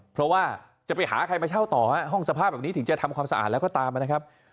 เพราะว่าจะไปหาใครมาเช่าต่อฮะห้องสภาพแบบนี้ถึงจะทำความสะอาดแล้วก็ตามนะครับ